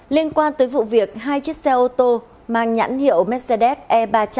liên quan tới vụ việc hai chiếc xe ô tô mang nhãn hiệu mercedes e ba mươi năm